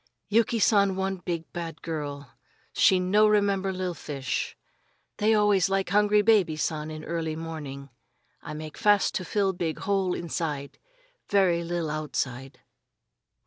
"Yuki San one big bad girl; she no remember li'l fish. They always like hungry baby San in early morning. I make fast to fill big hole inside ve'y li'l outside."